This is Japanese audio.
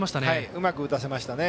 うまく打たせましたね。